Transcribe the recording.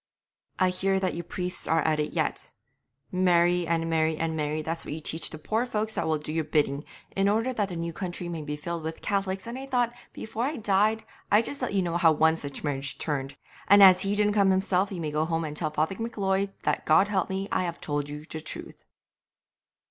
'I hear that you priests are at it yet. "Marry and marry and marry," that's what ye teach the poor folks that will do your bidding, "in order that the new country may be filled with Cath'lics," and I thought before I died I'd just let ye know how one such marriage turned; and as he didn't come himself you may go home and tell Father M'Leod that, God helping me, I have told you the truth.'